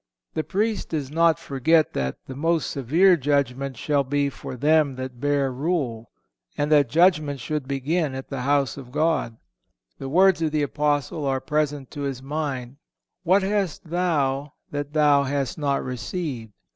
(506) The Priest does not forget that "the most severe judgment shall be for them that bear rule,"(507) and that "judgment should begin at the house of God."(508) The words of the Apostle are present to his mind: "What hast thou that thou hast not received?